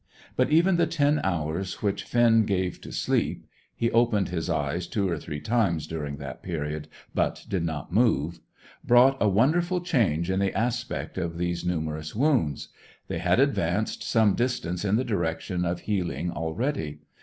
But even the ten hours which Finn gave to sleep he opened his eyes two or three times during that period, but did not move brought a wonderful change in the aspect of these numerous wounds. They had advanced some distance in the direction of healing already.